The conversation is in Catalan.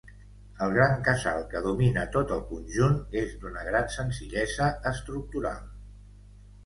El gran casal que domina tot el conjunt és d'una gran senzillesa estructural.